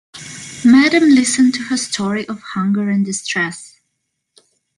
Madame listened to her story of hunger and distress.